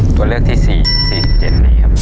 ตัวเลือกที่๔๔๗นี้ครับ